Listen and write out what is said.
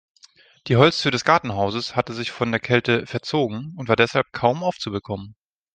Die Holztür des Gartenhauses hatte sich von der Kälte verzogen und war deshalb kaum aufzubekommen.